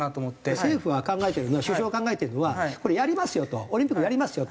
政府は考えてるのは首相が考えてるのはこれやりますよとオリンピックやりますよと。